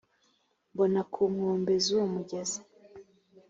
mbona ku nkombe z’uwo mugezi